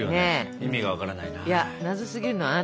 意味が分からないな。